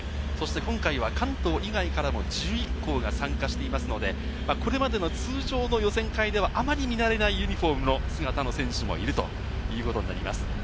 今回は関東以外からも１１校が参加していますので、これまでの通常の予選会ではあまり見慣れないユニホーム姿の選手もいるということになります。